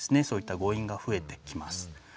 そういった誤飲が増えてきます。